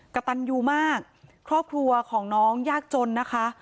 กระตันยูมากครอบครัวของน้องยากจนนะคะ